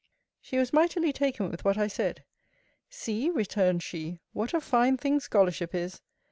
She was mightily taken with what I said: See, returned she, what a fine thing scholarship is!